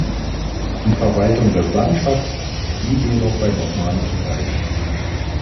Die Verwaltung des Sandschaks blieb jedoch beim Osmanischen Reich.